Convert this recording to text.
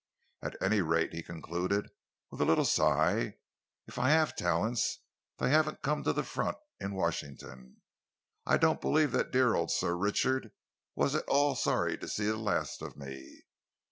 At any rate," he concluded, with a little sigh, "if I have any talents, they haven't come to the front in Washington. I don't believe that dear old Sir Richard was at all sorry to see the last of me."